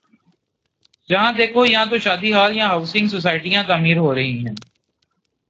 جہاں دیکھو یا تو شادی ہال یا ہاؤسنگ سوسائٹیاں تعمیر ہو رہی ہیں۔